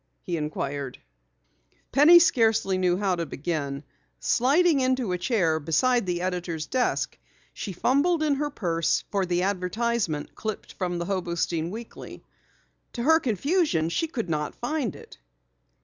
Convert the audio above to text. he inquired. Penny scarcely knew how to begin. Sliding into a chair beside the editor's desk, she fumbled in her purse for the advertisement clipped from the Hobostein Weekly. To her confusion she could not find it.